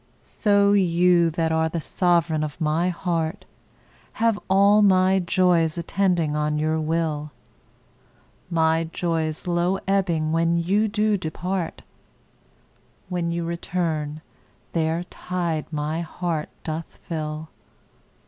So you that are the sovereign of my heart Have all my joys attending on your will; My joys low ebbing when you do depart, When you return their tide my heart doth fill.